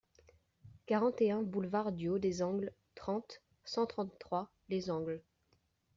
quarante et un boulevard du Haut des Angles, trente, cent trente-trois, Les Angles